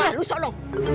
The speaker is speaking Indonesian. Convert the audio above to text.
ini lah lu sok lo